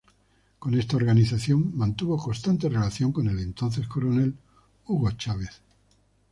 Con esta organización mantuvo constante relación con el entonces Coronel Hugo Chávez.